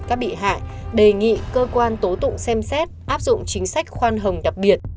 các bị hại đề nghị cơ quan tố tụng xem xét áp dụng chính sách khoan hồng đặc biệt